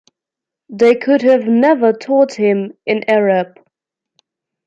They could have never taught him in Arab.